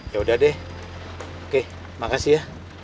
yaudah deh oke makasih ya